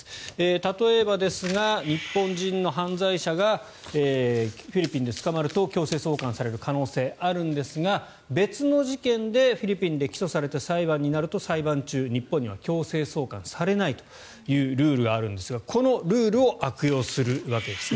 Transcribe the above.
例えばですが日本人の犯罪者がフィリピンで捕まると強制送還される可能性があるんですが、別の事件でフィリピンで起訴されて裁判になると裁判中、日本には強制送還されないというルールがあるんですがこのルールを悪用するわけですね。